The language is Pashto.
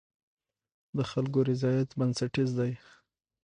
د خلکو رضایت بنسټیز دی.